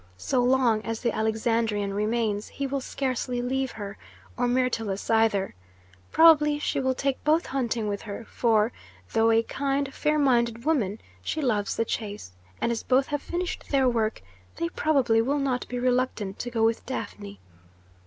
So long as the Alexandrian remains, he will scarcely leave her, or Myrtilus either. Probably she will take both hunting with her, for, though a kind, fair minded woman, she loves the chase, and as both have finished their work, they probably will not be reluctant to go with Daphne."